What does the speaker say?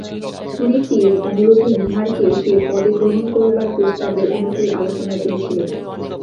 সুরীতির অনুরোধে নীহারকে সে পদে গ্রহণ করবার প্রস্তাবে অনুকূল আলোচনা চলছিল।